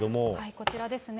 こちらですね。